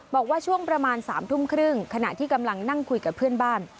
บอกว่าช่วงประมาณ๓ทุ่มครึ่งขณะที่กำลังนั่งคุยกับเพื่อนบ้าน